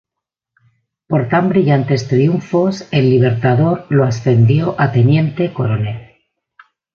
Por tan brillantes triunfos el Libertador lo ascendió a Teniente-Coronel.